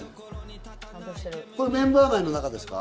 これメンバー内の中ですか？